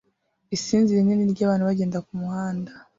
Isinzi rinini ryabantu bagenda kumuhanda